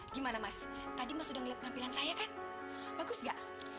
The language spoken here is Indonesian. gimana mas tadi mas udah ngeliat penampilan saya kan bagus gak